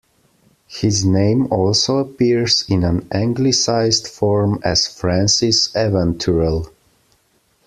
His name also appears in an anglicized form as Francis Evanturel.